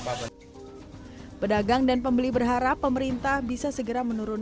maksud saya tidak mengenai tentang inilah yang biasanya saya cepatnya ketchup